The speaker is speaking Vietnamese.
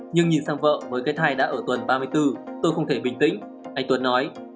nhưng nhìn sang vợ với cái thai đã ở tuần ba mươi bốn tôi không thể bình tĩnh anh tuấn nói